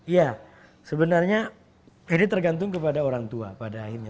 ya sebenarnya ini tergantung kepada orang tua pada akhirnya